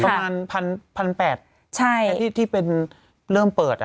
ประมาณ๑๘๐๐ที่เป็นเริ่มเปิด